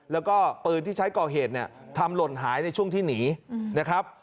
แล้วก็ปืนที่ใช้ก่อเหตุเนี่ยทำหล่นหายในช่วงที่หนีนะครับ